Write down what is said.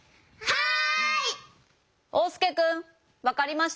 はい。